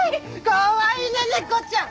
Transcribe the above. かわいいね猫ちゃん！